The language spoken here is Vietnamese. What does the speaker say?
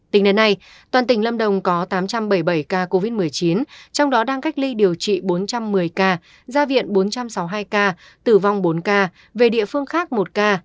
tính đến nay toàn tỉnh lâm đồng có tám trăm bảy mươi bảy ca covid một mươi chín trong đó đang cách ly điều trị bốn trăm một mươi ca gia viện bốn trăm sáu mươi hai ca tử vong bốn ca về địa phương khác một ca